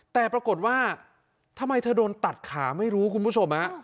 แต่ปรากฏว่าทำไมเธอโดนตัดขาไม่รู้คุณผู้ชม